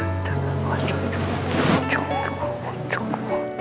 deket di sini tang tang tang wacung wacung wacung wacung wacung